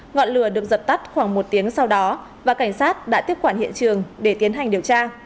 ngọn lửa được dập tắt khoảng một tiếng sau đó và cảnh sát đã tiếp quản hiện trường để tiến hành điều tra